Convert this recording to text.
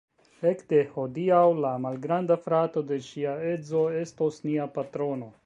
Ekde hodiaŭ la malgranda frato de ŝia edzo estos nia patrono